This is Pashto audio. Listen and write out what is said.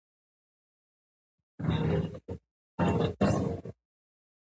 بيا د مزغو پۀ دوايانو کېدے شي